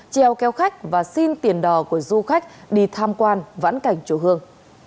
treo kéo khách và xin tiền đò của du khách đi tham quan vãn cảnh chùa hương